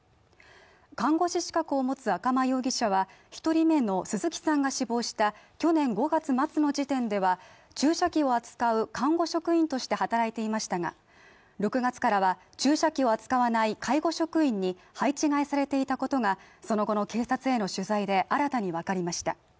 看護師資格を持つ赤間容疑者は１人目の鈴木さんが死亡した去年５月末の時点では注射器を扱う看護職員として働いていましたが、６月からは注射器を扱わない介護職員に配置換えされていたことがその後の警察への取材で新たに分かりました。